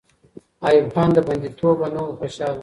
ایوب خان له بندي توبه نه وو خوشحاله.